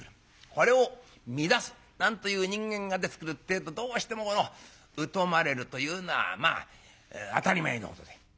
これを乱すなんという人間が出てくるってえとどうしてもこの疎まれるというのはまあ当たり前のことで。